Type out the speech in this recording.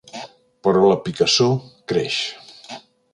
Però la picassor creix.